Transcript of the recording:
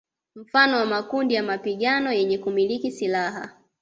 Mfano wa makundi ya mapigano yenye kumiliki silaha